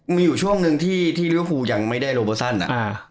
มีโช่งนึงที่ลิวอฟูยังไม่ได้โรบฟอสซานนะ